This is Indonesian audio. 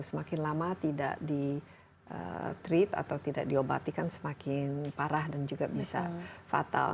semakin lama tidak di treat atau tidak diobati kan semakin parah dan juga bisa fatal